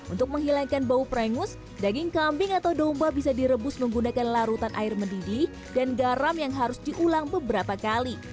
untuk menghilangkan bau prengus daging kambing atau domba bisa direbus menggunakan larutan air mendidih dan garam yang harus diulang beberapa kali